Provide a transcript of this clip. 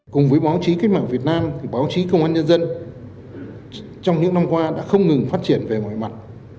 cùng với báo chí cách mạng việt nam thì báo chí công an nhân dân trong những năm qua đã không ngừng phát triển về mọi mặt